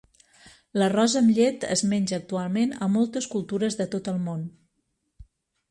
L'arròs amb llet es menja actualment a moltes cultures de tot el món.